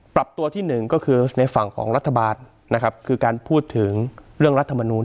ปรับตัวที่หนึ่งก็คือในฝั่งของรัฐบาลนะครับคือการพูดถึงเรื่องรัฐมนูล